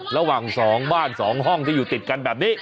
ระหว่าง๒บ้าน๒ห้องที่อยู่ติดกันแบบนี้